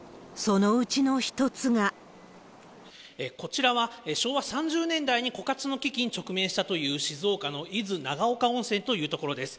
こちらは、昭和３０年代に枯渇の危機に直面したという、静岡の伊豆長岡温泉というところです。